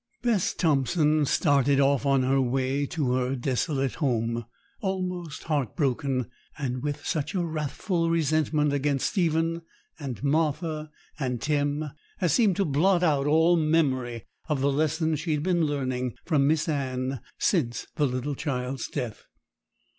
Bess Thompson started off on her way to her desolate home, almost heart broken, and with such a wrathful resentment against Stephen, and Martha, and Tim, as seemed to blot out all memory of the lessons she had been learning from Miss Anne since the little child's death.